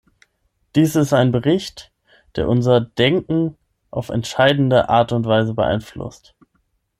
Dies ist ein Bericht, der unser Denken auf entscheidende Art und Weise beeinflusst.